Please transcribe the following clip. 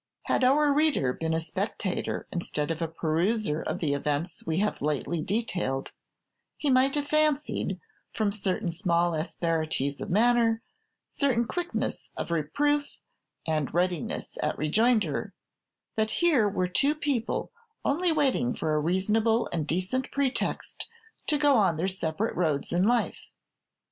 Had our reader been a spectator instead of a peruser of the events we have lately detailed, he might have fancied, from certain small asperities of manner, certain quicknesses of reproof and readiness at rejoinder, that here were two people only waiting for a reasonable and decent pretext to go on their separate roads in life.